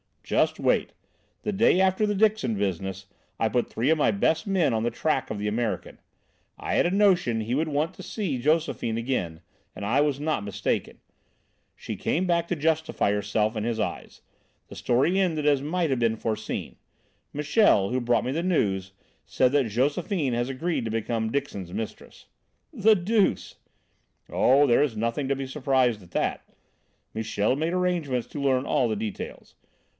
"Just wait! The day after the Dixon business, I put three of my best men on the track of the American. I had a notion he would want to see Josephine again, and I was not mistaken. She came back to justify herself in his eyes. The story ended as might have been foreseen. Michel, who brought me the news, said that Josephine had agreed to become Dixon's mistress." "The deuce!" "Oh, there is nothing to be surprised at that. Michel made arrangements to learn all the details.